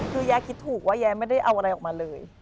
คือยายคิดถูกว่าแย้ไม่ได้เอาอะไรออกมาเลย